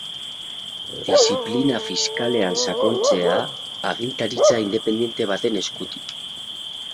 Diziplina fiskalean sakontzea, agintaritza independiente baten eskutik.